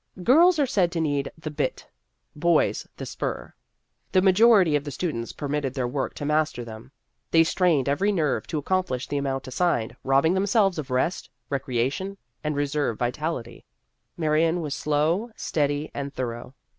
Girls are said to need the bit, boys the The Career of a Radical 113 spur. The majority of the students per mitted their work to master them ; they strained every nerve to accomplish the amount assigned, robbing themselves of rest, recreation, and reserve vitality. Marion was slow, steady, and thorough.